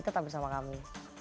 tetap bersama kami